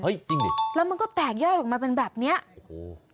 จริงดิแล้วมันก็แตกยอดออกมาเป็นแบบเนี้ยโอ้โห